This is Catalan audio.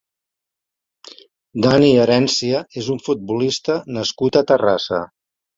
Dani Erencia és un futbolista nascut a Terrassa.